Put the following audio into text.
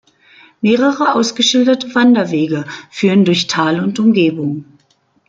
Mehrere ausgeschilderte Wanderwege führen durch Tal und Umgebung.